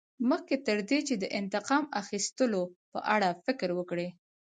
مخکې تر دې چې د انتقام اخیستلو په اړه فکر وکړې.